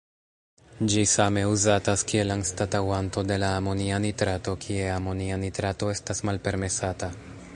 Ĝi same uzatas kiel anstataŭanto de la amonia nitrato, kie amonia nitrato estas malpermesata.